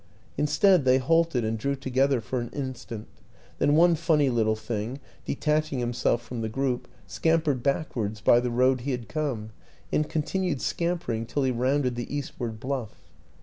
Instead, they halted and drew together for an instant; then one funny little thing, detaching himself from the group, scam pered backwards by the road he had come, and continued scampering till he rounded the eastward bluff.